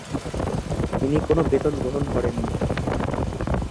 তিনি কোন বেতন গ্রহণ করেননি।